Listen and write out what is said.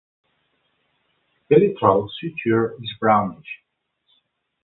Elytral suture is brownish.